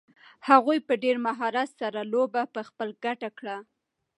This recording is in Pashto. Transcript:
هغوی په ډېر مهارت سره لوبه په خپله ګټه کړه.